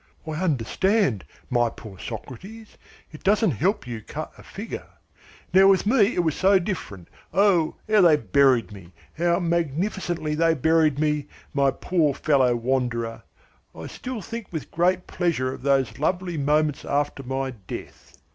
"I understand, my poor Socrates, it doesn't help you cut a figure. Now with me it was so different! Oh, how they buried me, how magnificently they buried me, my poor fellow Wanderer! I still think with great pleasure of those lovely moments after my death.